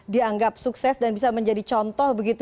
dianggap sukses dan bisa menjadi contoh begitu